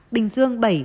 bình dương bảy